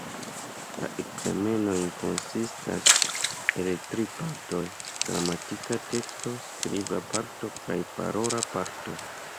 La ekzamenoj konsistas el tri partoj: gramatika testo, skriba parto kaj parola parto.